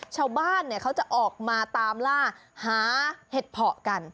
เช้าบ้านเนี่ยเขาจะออกมาตามล่าหาเห็ดผอกัน